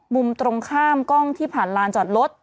มุมตรงข้ามกล้องที่ผ่านลานจอดรถ